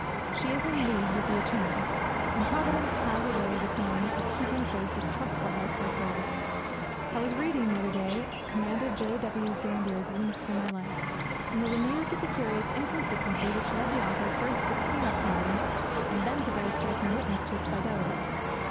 She is in league with the Eternal. And Providence has a way of its own of keeping faith with trustful hearts like hers. I was reading the other day Commander J. W. Gambier's Links in my Life, and was amused at the curious inconsistency which led the author first to sneer at Providence and then to bear striking witness to its fidelity.